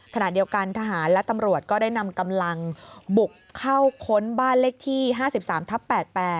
ขณะเดียวกันทหารและตำรวจก็ได้นำกำลังบุกเข้าค้นบ้านเลขที่๕๓ทับ๘๘